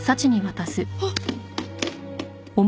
あっ。